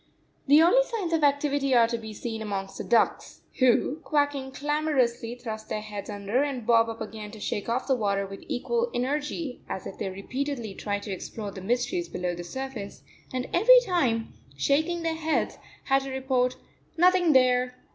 The only signs of activity are to be seen amongst the ducks, who, quacking clamorously, thrust their heads under and bob up again to shake off the water with equal energy, as if they repeatedly tried to explore the mysteries below the surface, and every time, shaking their heads, had to report, "Nothing there!